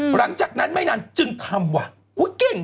หลังจากนั้นไม่นานจึงทำสิน